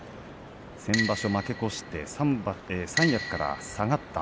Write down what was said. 先場所、負け越して三役から下がった。